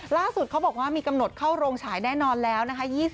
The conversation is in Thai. ล่าสุดเขาบอกว่ามีกำหนดเข้าโรงฉายแน่นอนแล้วนะคะ